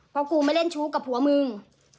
เพราะกูไม่เล่นชู้กับผัวมึง